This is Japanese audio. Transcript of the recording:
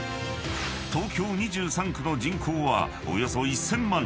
［東京２３区の人口はおよそ１，０００万人］